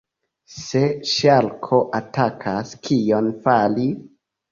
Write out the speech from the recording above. Se ŝarko atakas, kion fari?